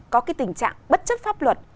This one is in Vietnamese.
có cái tình trạng bất chấp pháp luật